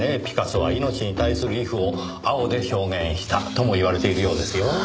ピカソは命に対する畏怖を青で表現したとも言われているようですよ。